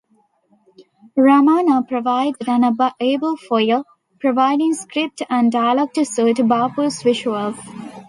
Ramana provided an able foil, providing script and dialogue to suit Bapu's visuals.